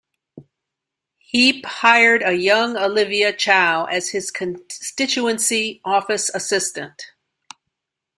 Heap hired a young Olivia Chow as his constituency office assistant.